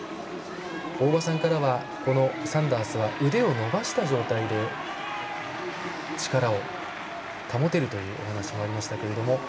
大場さんからはサンダースは腕を伸ばした状態で力を保てるというお話もありましたけども。